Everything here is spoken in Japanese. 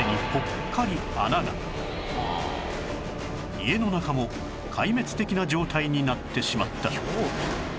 家の中も壊滅的な状態になってしまった